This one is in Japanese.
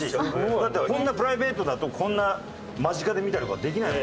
だってこんなプライベートだとこんな間近で見たりとかできないもん。